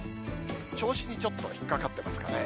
銚子にちょっと引っ掛かってますかね。